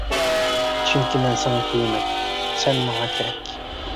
چۈنكى مەن ساڭا كۈيىمەن، سەن ماڭا كېرەك!